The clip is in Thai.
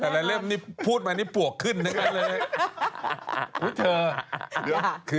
แต่ละเล่มนี่พูดมานี้ปวกขึ้นเลย